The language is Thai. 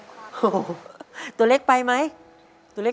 สวัสดีครับน้องเล่จากจังหวัดพิจิตรครับ